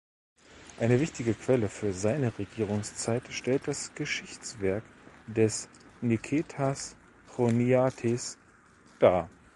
Eine wichtige Quelle für seine Regierungszeit stellt das Geschichtswerk des Niketas Choniates dar.